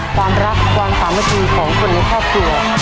ความรักความสามัคคีของคนในครอบครัว